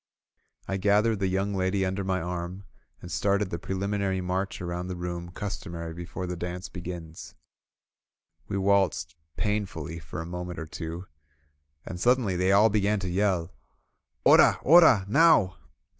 I gathered the young lady under my arm, and started the preliminary march around the room customary be fore the dance begins. We waltzed painfully for a moment or two, and suddenly they all began to yell: ''Ora! Oral Now!"